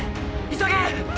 急げ！！